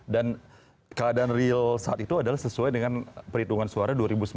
dan keadaan real saat itu adalah sesuai dengan perhitungan suara dua ribu sembilan belas